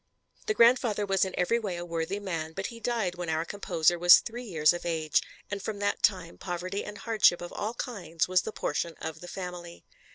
The grandfather was in every way a worthy man, but he died when our composer was three years of age, and from that time poverty and hardship of all kinds was the portion of the family.